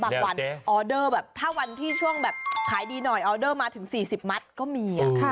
บางวันออเดอร์แบบถ้าวันที่ช่วงแบบขายดีหน่อยออเดอร์มาถึง๔๐มัตต์ก็มี